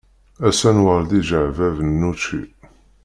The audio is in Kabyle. Ass-a nuɣal d ijeɛbab n wučči.